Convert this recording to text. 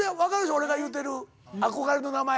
俺が言うてる憧れの名前。